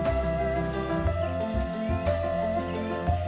menjadi wilayah konservasi alam